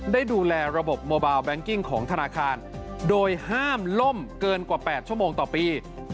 ได้ดูแลระบบโมบาลแบงกิ้งของธนาคารโดยห้ามล่มเกินกว่า๘ชั่วโมงต่อปี